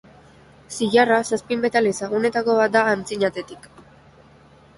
Zilarra zazpi metal ezagunetako bat da antzinatetik.